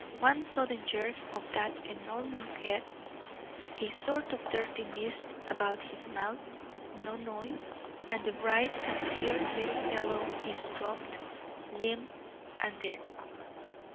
one sudden jerk of that enormous head, a sort of dirty mist about his mouth, no noise, and the bright and fierce little fellow is dropped, limp, and dead.